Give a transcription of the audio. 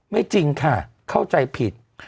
จริงค่ะเข้าใจผิด